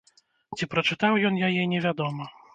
Ці прачытаў ён яе, невядома.